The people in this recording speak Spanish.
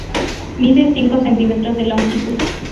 Mide cinco centímetros de longitud.